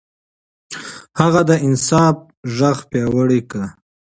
هغه د انصاف غږ پياوړی کړ.